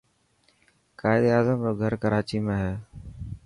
قائد اعظم رو گھر ڪراچي ۾ هي.